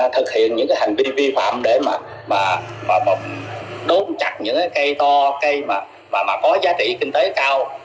thực hiện những hành vi vi phạm để mà đốn chặt những cây to cây mà có giá trị kinh tế cao